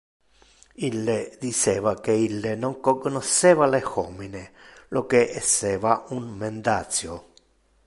Ille diceva que ille non cognosceva le homine, lo que esseva un mendacio.